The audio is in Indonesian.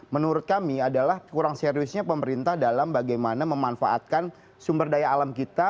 menurut kami adalah kurang seriusnya pemerintah dalam bagaimana memanfaatkan sumber daya alam kita